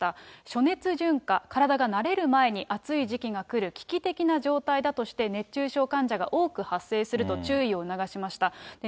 暑熱順化、体が慣れる前に暑い時期が来る危機的な状態だとして、熱中症患者が多く発生すると注意を促しました。